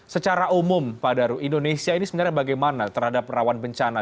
secara umum pak daru indonesia ini sebenarnya bagaimana terhadap rawan bencana